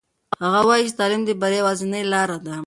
هغه وایي چې تعلیم د بریا یوازینۍ لاره ده.